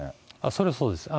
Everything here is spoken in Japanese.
それはそうです。